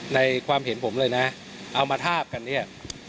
ในความเห็นผมเลยนะเอามาทาบกันเนี่ย